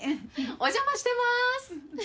お邪魔してます。